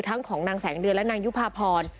ของนางแสงเดือนและนางยุภาพร